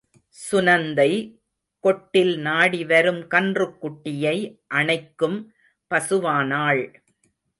சுநந்தை கொட்டில் நாடி வரும் கன்றுக்குட்டியை அணைக்கும் பசுவானாள்.